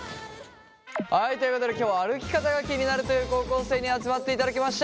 はいということで今日は歩き方が気になるという高校生に集まっていただきました。